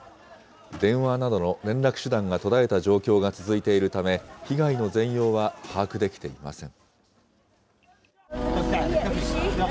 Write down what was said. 電話などの連絡手段が途絶えた状況が続いているため、被害の全容は把握できていません。